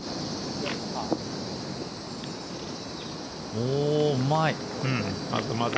おお、うまい。